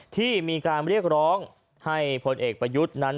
ที่มีการเรียกร้องให้พลเอกประยุทธ์นั้น